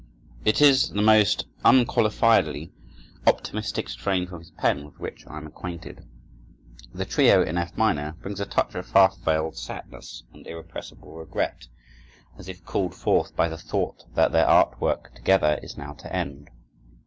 It is the most unqualifiedly optimistic strain from his pen with which I am acquainted. The trio, in F minor, brings a touch of half veiled sadness and irrepressible regret, as if called forth by the thought that their art work together is now to end.